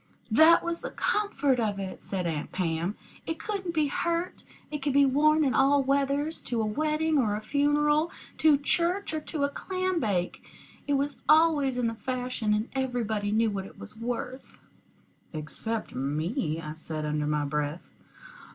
"That was the comfort of it," said Aunt Pam. "It couldn't be hurt. It could be worn in all weathers to a wedding or a funeral, to church or to a clam bake. It was always in the fashion, and everybody knew what it was worth." "Except me," I said, under my breath.